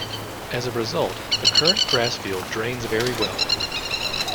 As a result, the current grass field drains very well.